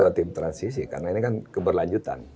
tim transisi karena ini kan keberlanjutan